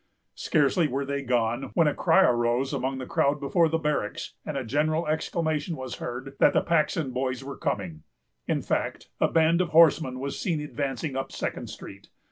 Scarcely were they gone, when a cry rose among the crowd before the barracks, and a general exclamation was heard that the Paxton Boys were coming. In fact, a band of horsemen was seen advancing up Second Street.